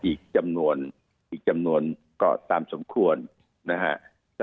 อีกจำนวนก็ตามสมควรนะคะ